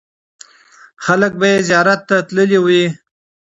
خلکو به یې زیارت ته تللي وي.